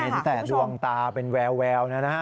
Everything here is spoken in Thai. เห็นแต่ดวงตาเป็นแววนะฮะ